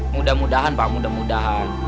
mudah mudahan pak mudah mudahan